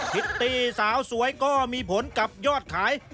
พิตตี้สาวสวยก็มีผลกับยอดขาย